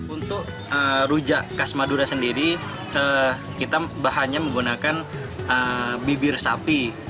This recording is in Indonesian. untuk rujak khas madura sendiri kita bahannya menggunakan bibir sapi